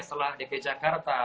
setelah dp jakarta